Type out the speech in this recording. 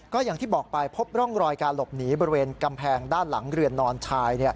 ก็อย่างที่บอกไปพบร่องรอยการหลบหนีบริเวณกำแพงด้านหลังเรือนนอนชาย